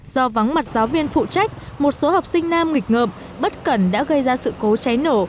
do vắng mặt giáo viên phụ trách một số học sinh nam nghịch ngợp bất cẩn đã gây ra sự cố cháy nổ